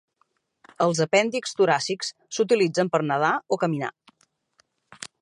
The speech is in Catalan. Els apèndixs toràcics s'utilitzen per nedar o caminar.